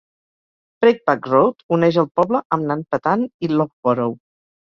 Breakback Road uneix el poble amb Nanpantan i Loughborough.